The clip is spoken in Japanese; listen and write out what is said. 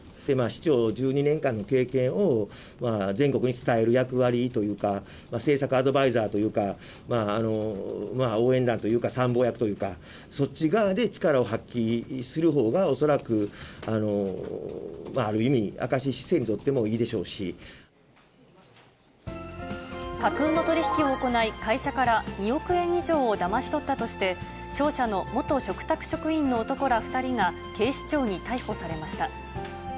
市長１２年間の経験を全国に伝える役割というか、政策アドバイザーというか、まあ応援団というか、まあ参謀役というか、そっち側で力を発揮するほうが、恐らくある意味、明石市政にとっ架空の取り引きを行い、会社から２億円以上をだまし取ったとして、商社の元嘱託職員の男ら２人が警視庁に逮捕されました。